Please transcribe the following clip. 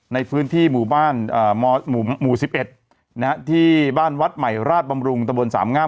ในพื้นที่หมู่บ้านหมู่๑๑ที่บ้านวัดใหม่ราชบำรุงตะบนสามงาม